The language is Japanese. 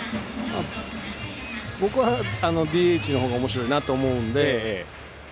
僕はＤＨのほうがおもしろいなと思うので。